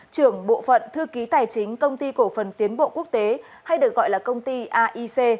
trưởng bộ phận thư ký tài chính công ty cổ phần tiến bộ quốc tế hay được gọi là công ty aic